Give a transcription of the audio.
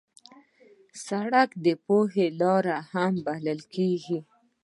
سړک د پوهې لار هم بلل کېږي.